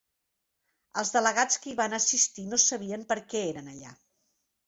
Els delegats que hi van assistir no sabien perquè eren allà.